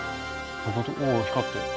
おお光って。